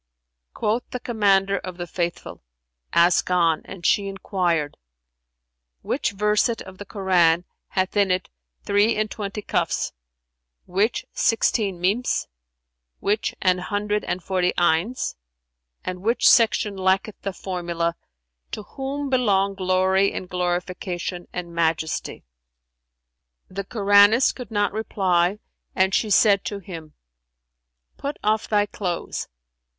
Quoth the Commander of the Faithful, "Ask on," and she enquired, "Which verset of the Koran hath in it three and twenty Kαfs, which sixteen Mνms, which an hundred and forty 'Ayns[FN#384] and which section[FN#385] lacketh the formula, 'To Whom belong glory and glorification and majesty[FN#386]?'" The Koranist could not reply, and she said to him, "Put off thy clothes."